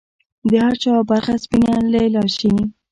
د هر چا برخه سپینه لیلا شي